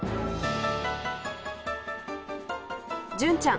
純ちゃん